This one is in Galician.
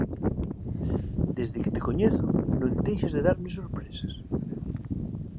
Desde que te coñezo, non deixas de darme sorpresas